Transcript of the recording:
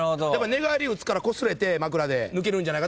寝返り打つからこすれて枕で抜けるんじゃないかと。